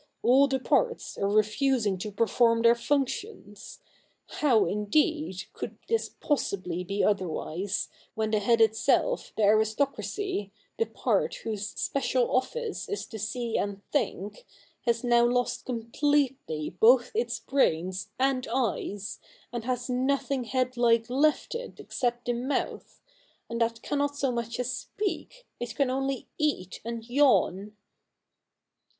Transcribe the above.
All the parts are refusing to perform their functions. How, indeed, could this possibly be otherwise, when the head itself, the aristocracy, the part whose special office is to see and think, has now lost completely both its brains and eyes, and has nothing head like left it except the mouth ; and that cannot so much as speak — it can only eat and yawn